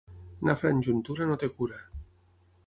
Nafra en juntura no té cura.